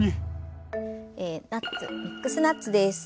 ナッツミックスナッツです。